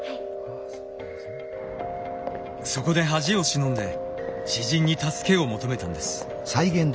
そこで恥を忍んで知人に助けを求めたんです。